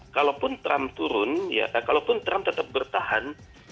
kalaupun trump turun ya kalaupun trump tetap bertahan